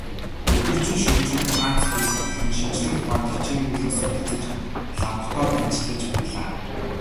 Өдөржин шөнөжин Франц хэл болон шинжлэх ухаанд хичээнгүйлэн суралцаж, лабораторид ажиллаж байлаа.